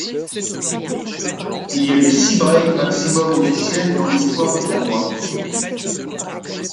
Il y a eu six break maximum officielles dans l'histoire du tournoi.